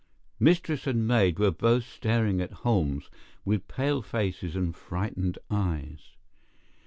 Mistress and maid were both staring at Holmes with pale faces and frightened eyes.